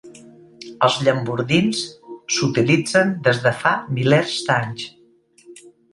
Els llambordins s'utilitzen des de fa milers d'anys.